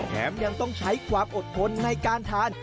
แถมยังต้องใช้ความอดทนในการทาน